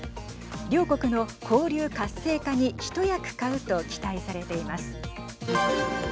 両国の交流活性化に一役買うと期待されています。